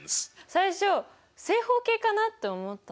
最初正方形かなって思ったの。